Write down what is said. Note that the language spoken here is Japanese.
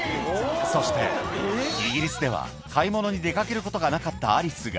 そして、イギリスでは買い物に出かけることがなかったアリスが。